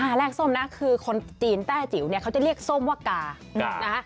แรกส้มนะคือคนจีนแต้จิ๋วเนี่ยเขาจะเรียกส้มว่ากานะคะ